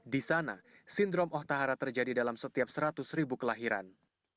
di sana sindrom oh tahara terjadi dalam setiap seratus ribu kelahiran